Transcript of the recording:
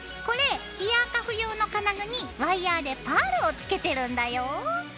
これイヤーカフ用の金具にワイヤーでパールを付けてるんだよ。